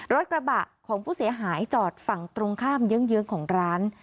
รถกระบะของผู้เสียหายจอดฝั่งตรงข้ามเยื้องของร้าน